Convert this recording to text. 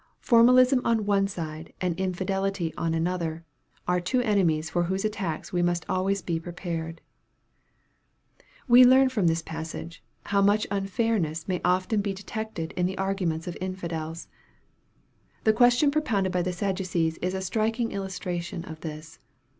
Formalism on one side and infidelity on another, are two enemies for whose attacks we must always be prepared. We learn from this passage, how much unfairness may often be detected in the arguments of infidels. The question propounded by the Sadducees is a strik ing illustration of this.